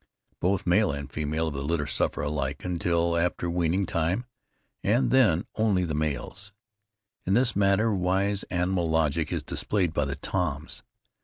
Both male and female of the litter suffer alike until after weaning time, and then only the males. In this matter wise animal logic is displayed by the Toms.